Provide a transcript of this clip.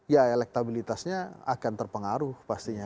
ya elektabilitasnya akan terpengaruh pastinya